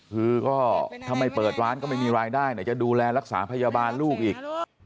คือก็ถ้าไม่เปิดร้านก็ไม่มีรายได้ไหนจะดูแลรักษาพยาบาลลูกอีก